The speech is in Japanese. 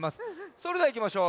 それではいきましょう。